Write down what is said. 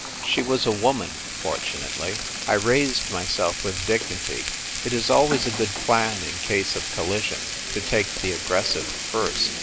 She was a woman, fortunately. I raised myself with dignity. It is always a good plan, in case of collision, to take the aggressive first.